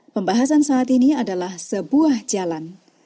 pembahasan saat ini adalah sebuah jalan